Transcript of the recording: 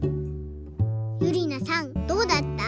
ゆりなさんどうだった？